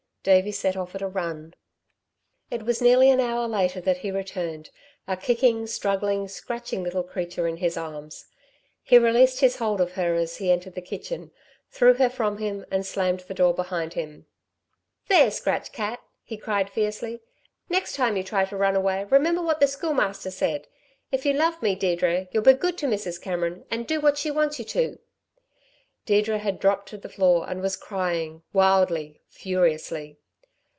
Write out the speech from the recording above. Davey set off at a run. It was nearly an hour later that he returned, a kicking, struggling, scratching, little creature in his arms. He released his hold of her as he entered the kitchen, threw her from him, and slammed the door behind him. "There, scratch cat!" he cried fiercely. "Next time you try to run away remember what the Schoolmaster said: 'If you love me, Deirdre, you'll be good to Mrs. Cameron and do what she wants you to!'" Deirdre had dropped to the floor and was crying, wildly, furiously.